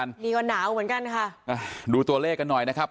วันนี้ก่อนหนาวเหมือนกันค่ะดูตัวเลขกันหน่อยนะครับ